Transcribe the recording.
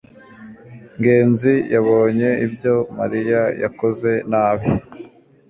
ngenzi yabonye ibyo mariya yakoze nabi